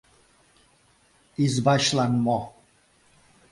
— Избачлан мо?